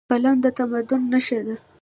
قلم د تمدن نښه ده.